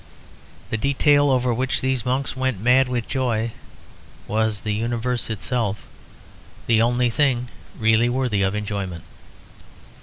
The detail over which these monks went mad with joy was the universe itself; the only thing really worthy of enjoyment.